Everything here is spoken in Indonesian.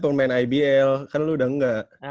pemain ibl kan lu udah enggak